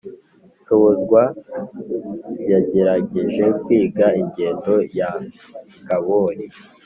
Nshobozwa yagerageje kwiga ingendo ya ngabori.